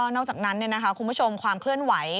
นอกจากนั้นเนี่ยนะคะคุณผู้ชมความเคลื่อนไหว